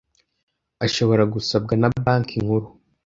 ashobora gusabwa na Banki Nkuru